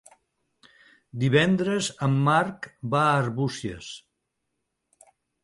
Divendres en Marc va a Arbúcies.